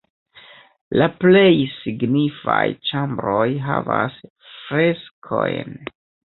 La plej signifaj ĉambroj havas freskojn.